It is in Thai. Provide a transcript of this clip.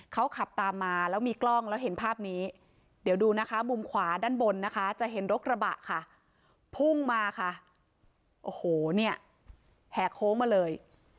เขาขับตามมาแล้วมีกล้องแล้วเห็นภาพนี้เดี๋ยวดูนะคะมุมขวาด้านบนนะคะจะเห็นรถกระบะค่ะพุ่งมาค่ะโอ้โหเนี่ยแห่โค้งมาเลย